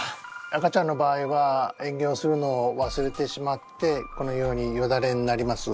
赤ちゃんの場合はえん下をするのをわすれてしまってこのようによだれになります。